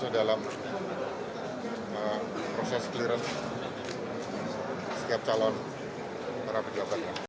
dalam proses clearance setiap calon para pejabat negara